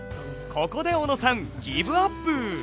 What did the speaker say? ここで小野さんギブアップ！